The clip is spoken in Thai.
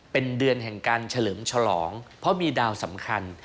เป็นเดือนแห่งการเฉลิมฉลองเพราะมีดาวสำคัญ